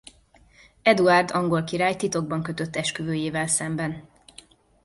Eduárd angol király titokban kötött esküvőjével szemben.